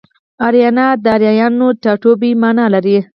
اریانا د اریایانو ټاټوبی مانا لري